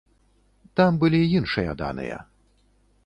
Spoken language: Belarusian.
Там былі іншыя даныя.